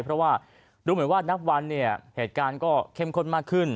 เพราะว่าดูเหมือนว่านับวันเนี่ยเหตุการณ์ก็เข้มข้นมากขึ้น